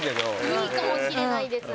いいかもしれないですね。